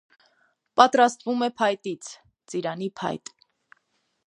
Պատրաստվում է փայտից (ծիրանի փայտ)։